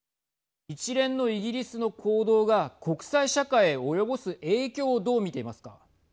一連のイギリスの行動が国際社会へ及ぼす影響をどう見ていますか。